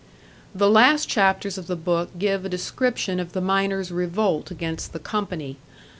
The last chapters of the book give a description of the miners' revolt against the Company.